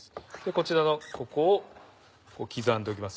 こちらのここを刻んでおきます